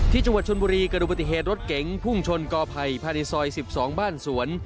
จังหวัดชนบุรีกระดูกปฏิเหตุรถเก๋งพุ่งชนกอไผ่ภายในซอย๑๒บ้านสวน